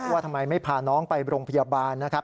ว่าทำไมไม่พาน้องไปโรงพยาบาลนะครับ